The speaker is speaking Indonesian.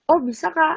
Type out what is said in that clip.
oh bisa kak